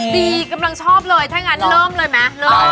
ดีกำลังชอบเลยถ้างั้นเริ่มเลยมั้ย